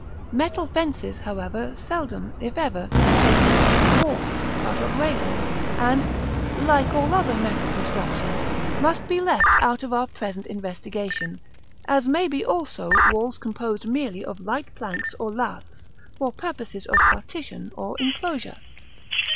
Metal fences, however, seldom, if ever, take the form of walls, but of railings; and, like all other metal constructions, must be left out of our present investigation; as may be also walls composed merely of light planks or laths for purposes of partition or inclosure.